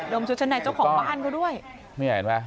ดมชุดชะไหนของบ้านเขาด้วย